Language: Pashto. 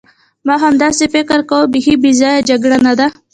ما خو همداسې فکر کاوه، بیخي بې ځایه جګړه نه ده.